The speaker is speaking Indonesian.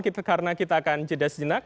karena kita akan jeda sejenak